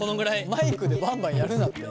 マイクでバンバンやるなって。